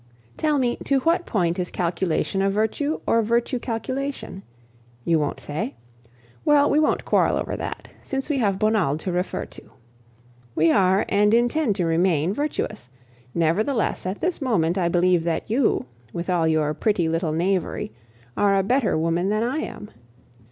Tell me, to what point is calculation a virtue, or virtue calculation? You won't say? Well, we won't quarrel over that, since we have Bonald to refer to. We are, and intend to remain, virtuous; nevertheless at this moment I believe that you, with all your pretty little knavery, are a better woman than I am.